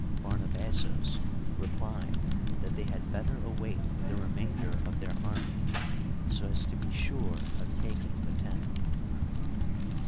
Phamabazos replied that they had better await the remainder of their army, so as to be sure of taking the town.